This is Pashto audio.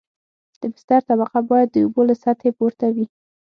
د بستر طبقه باید د اوبو له سطحې پورته وي